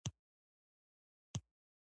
د غزني په خواجه عمري کې د مسو نښې شته.